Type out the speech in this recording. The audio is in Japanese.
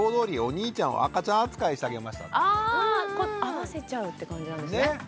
あ合わせちゃうって感じなんですね。